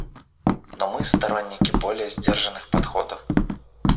Но мы − сторонники более сдержанных подходов.